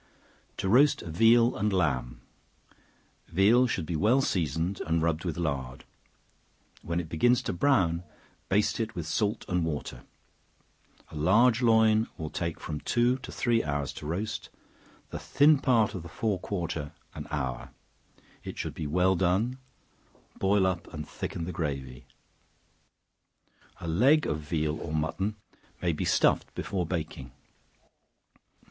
To Roast Veal and Lamb. Veal should be well seasoned, and rubbed with lard; when it begins to brown, baste it with salt and water; a large loin will take from two to three hours to roast, the thin part of the fore quarter an hour; it should be well done; boil up and thicken the gravy. A leg of veal or mutton may be stuffed before baking.